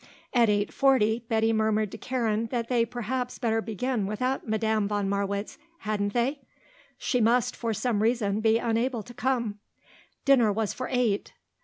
At eight forty Betty murmured to Karen that they had perhaps better begin without Madame von Marwitz hadn't they? She must, for some reason, be unable to come. Dinner was for eight.